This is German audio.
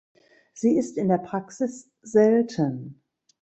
Sie ist in der Praxis selten.